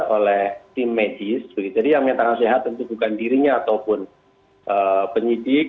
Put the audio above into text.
oleh tim medis jadi yang menyatakan sehat tentu bukan dirinya ataupun penyidik